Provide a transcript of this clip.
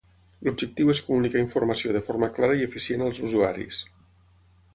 L'objectiu és comunicar informació de forma clara i eficient als usuaris.